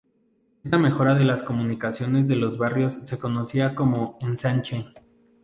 Esta mejora de las comunicaciones de los barrios se conocía como "ensanche".